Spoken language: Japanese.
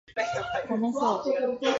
ダメそう